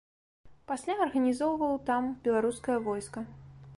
Пасля арганізоўваў там беларускае войска.